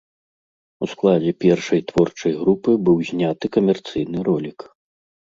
У складзе першай творчай групы быў зняты камерцыйны ролік.